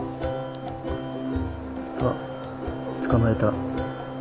あっ捕まえた。